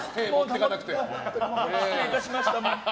失礼いたしました、本当に。